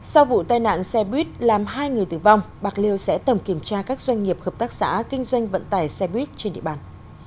sau vụ tai nạn xe buýt làm hai người tử vong bạc liêu sẽ tầm kiểm tra các doanh nghiệp hợp tác xã kinh doanh vận tải xe buýt trên địa bàn